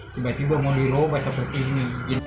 tiba tiba mulir obat seperti ini